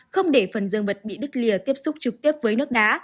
không để phần dương vật bị đứt lìa tiếp xúc trực tiếp với nước đá